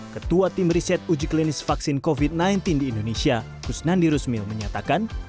ketua tim riset uji klinis vaksin covid sembilan belas di indonesia kusnandi rusmil menyatakan